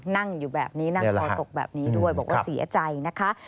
นั่งอยู่แบบนี้นั่งคอตกแบบนี้ด้วยบอกว่าเสียใจนะคะ